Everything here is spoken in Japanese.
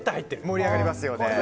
盛り上がりますよね。